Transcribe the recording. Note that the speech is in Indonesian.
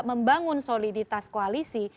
membangun soliditas koalisi